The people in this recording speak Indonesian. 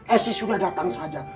esi sudah datang saja